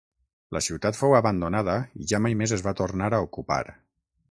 La ciutat fou abandonada i ja mai més es va tornar a ocupar.